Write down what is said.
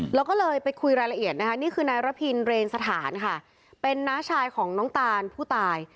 เราก็เลยไปคุยรายละเอียดนะคะนี่คือนายระพินเรนสถานค่ะเป็นน้าชายของน้องตานผู้ตาย